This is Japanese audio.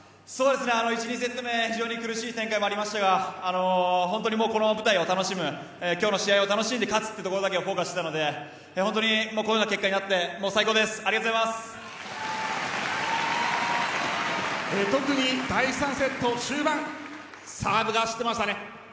１セット目、２セット目苦しい展開もありましたがこの舞台を楽しむ今日の試合を楽しんで勝つというところをフォーカスしていたのでこのような結果になって最高です特に第３セット終盤サーブが走ってましたね。